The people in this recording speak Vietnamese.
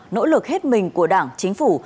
nỗ lực hết mình của đảng chính phủ